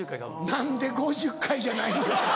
何で５０回じゃないんですか。